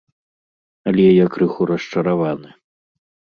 Але я крыху расчараваны.